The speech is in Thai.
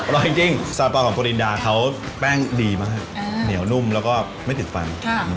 อร่อยจริงซาเปล่าของโปรลินดาเขาแป้งดีมากเหนียวนุ่มแล้วก็ไม่ถึงฟัน